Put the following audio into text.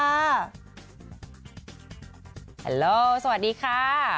ฮัลโหลสวัสดีค่ะ